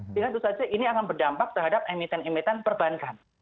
sehingga itu saja ini akan berdampak terhadap emiten emiten perbankan